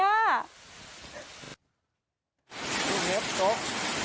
ลูกเห็บตก